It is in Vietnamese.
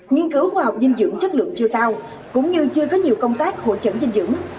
nghiên cứu khoa học dinh dưỡng chất lượng chưa cao cũng như chưa có nhiều công tác hỗ trợ dinh dưỡng